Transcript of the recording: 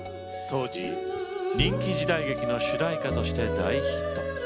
当時、人気時代劇の主題歌として大ヒット。